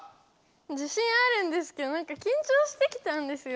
自信あるんですけどなんかきん張してきたんですよ。